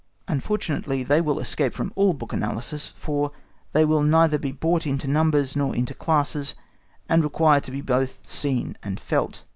Unfortunately they will escape from all book analysis, for they will neither be brought into numbers nor into classes, and require to be both seen and felt.